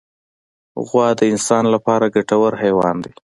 غوا د انسان لپاره ګټور حیوان دی.